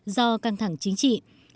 do căng thẳng chính trị